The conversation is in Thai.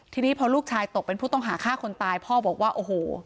ทีนี้พอลูกชายตกเป็นผู้ต้องหาฆ่าคนตายพ่อบอกว่าโอ้โห